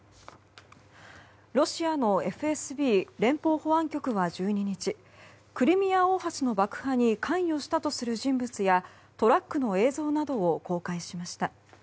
ロシアのＦＳＢ・連邦保安局は１２日クリミア大橋の爆破に関与したとする人物やトラックの映像などを公開しました。